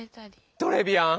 トレビアーン！